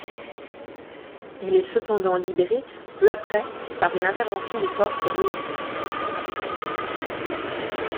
Il est cependant libéré peu après par une intervention des forces loyalistes.